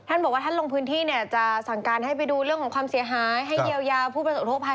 ท่านบอกว่าท่านลงพื้นที่เนี่ยจะสั่งการให้ไปดูเรื่องของความเสียหาย